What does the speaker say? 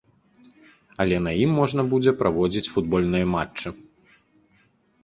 Але на ім можна будзе праводзіць футбольныя матчы.